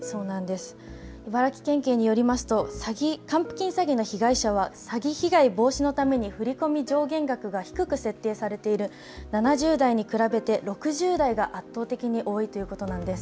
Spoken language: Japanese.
茨城県警によると還付金詐欺の被害者は詐欺被害防止のために振り込み上限額が低く設定されている、７０代に比べて６０代が圧倒的に多いということなんです。